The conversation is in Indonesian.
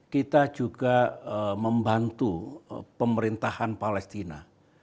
kita juga membantu pemerintahan palestina